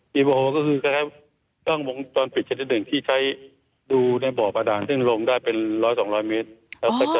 วิวีบอโฮก็คือกระแค่เจาะกับวงตอนปิดที่ใช้ดูในบ่อประดานซึ่งลงได้เป็นร้อยมิตร